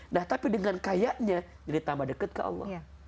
nah tapi dengan kayanya jadi tambah deket ke allah